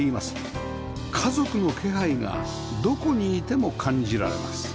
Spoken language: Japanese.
家族の気配がどこにいても感じられます